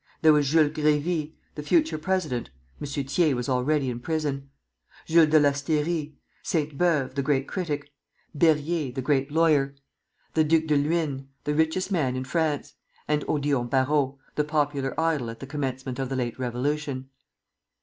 There was Jules Grévy, the future president (M. Thiers was already in prison); Jules de Lasteyrie; Sainte Beuve, the great critic; Berryer, the great lawyer; the Duc de Luynes, the richest man in France; and Odillon Barrot, the popular idol at the commencement of the late revolution.